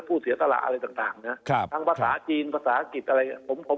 เสียสละอะไรต่างนะครับทั้งภาษาจีนภาษาอังกฤษอะไรผม